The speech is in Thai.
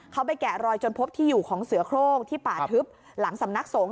เขาไปแกะรอยจนพบที่อยู่ของเสือโครงที่ป่าทึบหลังสำนักสงฆ